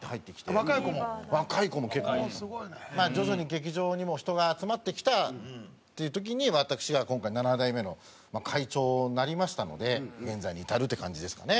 徐々に劇場にも人が集まってきたっていう時に私が今回７代目の会長になりましたので現在に至るって感じですかね。